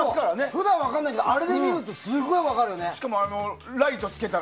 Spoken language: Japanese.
普段分からないけどあれで見るとすぐ分かるよね。